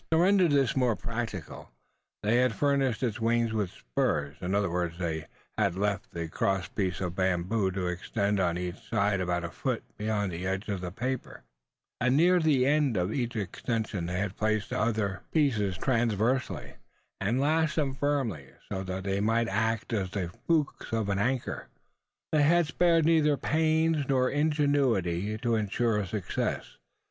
To render this the more practicable, they had furnished its wings with spurs in other words, they had left the cross piece of bamboo to extend on each side about a foot beyond the edge of the paper; and near the end of each extension, they had placed other pieces transversely, and lashed them firmly so that they might act as the flukes of an anchor. They had spared neither pains nor ingenuity to ensure success.